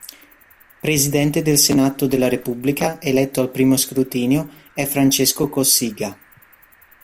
Presidente del Senato della Repubblica, eletto al I scrutinio, è Francesco Cossiga.